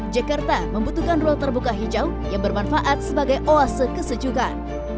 jakarta membutuhkan ruang terbuka hijau yang bermanfaat sebagai oase kesejukan